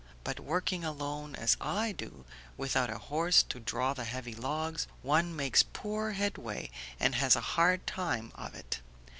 But working alone, as I do, without a horse to draw the heavy logs, one makes poor headway and has a hard time of it.